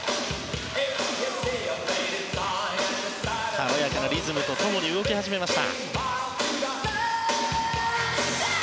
軽やかなリズムとともに動き始めました。